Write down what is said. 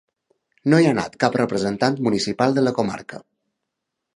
No hi ha anat cap representant municipal de la comarca.